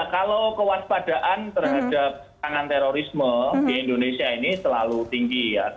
kalau kewaspadaan terhadap tangan terorisme di indonesia ini selalu tinggi ya